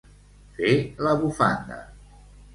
Fer la bufanda.